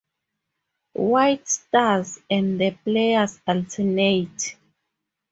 White starts, and the players alternate.